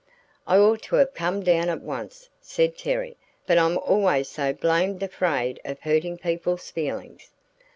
"I ought to have come down at once," said Terry, "but I'm always so blamed afraid of hurting people's feelings."